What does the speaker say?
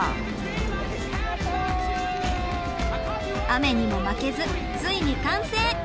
雨にも負けずついに完成。